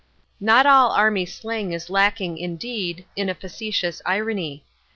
Not all army slang is lacking, indeed, in a facetious irony.